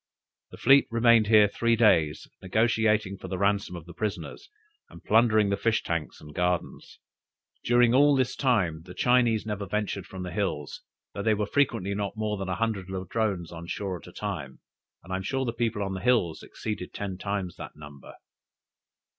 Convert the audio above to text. The fleet remained here three days, negotiating for the ransom of the prisoners, and plundering the fish tanks and gardens. During all this time, the Chinese never ventured from the hills, though there were frequently not more than a hundred Ladrones on shore at a time, and I am sure the people on the hills exceeded ten times that number.